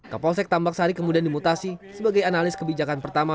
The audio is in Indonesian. kapolsek tambak sari kemudian dimutasi sebagai analis kebijakan pertama